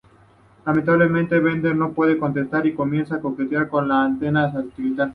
Lamentablemente, Bender no puede contenerse y comienza a coquetear con La antena satelital.